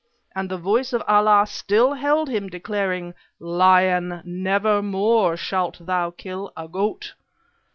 And the voice of Allah still held him, declaring: 'Lion, nevermore shalt thou kill a goat!'